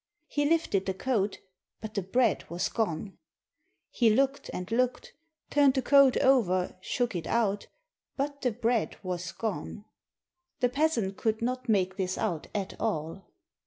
He lifted the coat, but the bread was gone ! He looked and looked, turned the coat over, shook it out — but the bread was gone. The peasant could not make this out at all.